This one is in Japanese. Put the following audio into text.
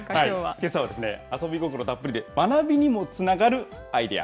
けさは遊び心たっぷりで学びにもつながるアイデア。